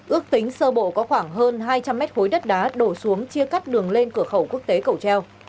ước tính sơ bộ có khoảng hơn hai trăm linh mét khối đất đá đổ xuống chia cắt đường lên cửa khẩu quốc tế cầu treo